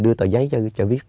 đưa tờ giấy cho viết